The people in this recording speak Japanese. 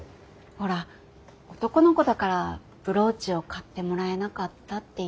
ほら男の子だからブローチを買ってもらえなかったっていう。